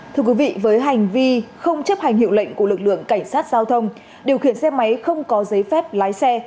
thưa quý vị với hành vi không chấp hành hiệu lệnh của lực lượng cảnh sát giao thông điều khiển xe máy không có giấy phép lái xe